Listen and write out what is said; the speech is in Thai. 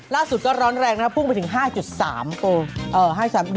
ก็ร้อนแรงนะครับพุ่งไปถึง๕๓